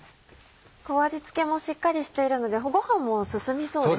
味付けもしっかりしているのでご飯も進みそうですね。